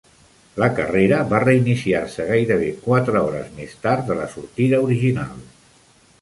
La carrera va reiniciar-se gairebé quatre hores més tard de la sortida original.